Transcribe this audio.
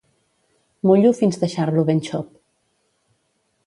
Mullo fins deixar-lo ben xop.